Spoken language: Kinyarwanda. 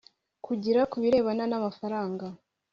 kugira ku birebana n amafaranga